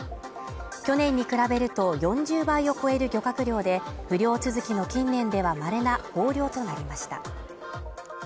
去年に比べると４０倍を超える漁獲量で不漁続きの近年では稀な豊漁となりました。